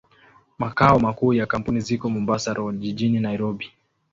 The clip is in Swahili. Makao makuu ya kampuni ziko Mombasa Road, jijini Nairobi.